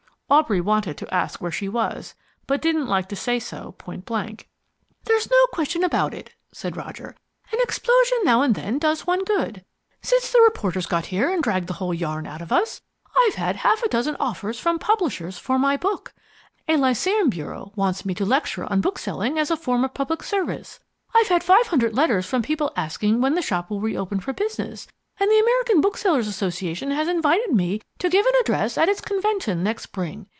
Aubrey wanted to ask where she was, but didn't like to say so point blank. "There's no question about it," said Roger, "an explosion now and then does one good. Since the reporters got here and dragged the whole yarn out of us, I've had half a dozen offers from publishers for my book, a lyceum bureau wants me to lecture on Bookselling as a Form of Public Service, I've had five hundred letters from people asking when the shop will reopen for business, and the American Booksellers' Association has invited me to give an address at its convention next spring.